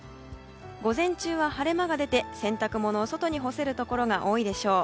午前中は晴れ間が出て洗濯物を外に干せるところが多いでしょう。